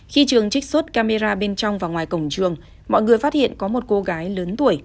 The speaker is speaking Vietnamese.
khi trường trích xuất camera bên trong và ngoài cổng trường mọi người phát hiện có một cô gái lớn tuổi